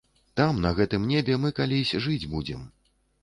Там, на гэтым небе, мы калісь жыць будзем.